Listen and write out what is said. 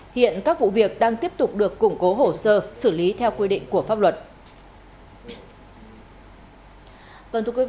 hiện các vụ việc đang tiếp tục được củng cố hồ sơ xử lý theo quy định của pháp luật